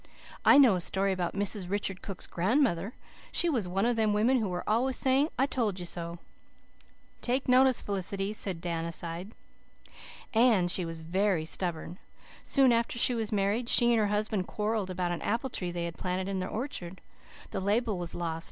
"I know a story about Mrs. Richard Cook's grandmother. She was one of those women who are always saying 'I told you so '" "Take notice, Felicity," said Dan aside. " And she was very stubborn. Soon after she was married she and her husband quarrelled about an apple tree they had planted in their orchard. The label was lost.